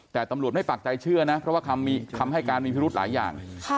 แต่ตำรวจไม่ปากใจเชื่อนะเพราะว่าคำให้การมีพิรุธหลายอย่าง